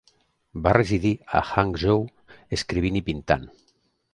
Va residir a Hangzhou escrivint i pintant.